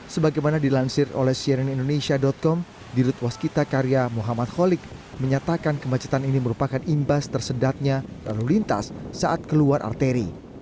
sebagaimana dilansir oleh cnnindonesia com dirut waskita karya muhammad kholik menyatakan kemacetan ini merupakan imbas tersedatnya lalu lintas saat keluar arteri